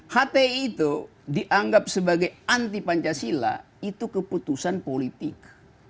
hti itu dianggap sebagai anti pancasila itu keputusan politik